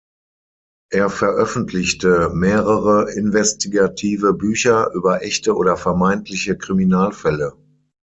Er veröffentlichte mehrere investigative Bücher über echte oder vermeintliche Kriminalfälle.